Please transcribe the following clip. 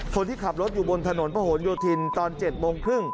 คนที่ขับรถอยู่บนถนนพระหลโยธินตอน๗โมงครึ่ง